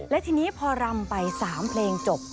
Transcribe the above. และทีนี้พอรำไป๓เพลงจบ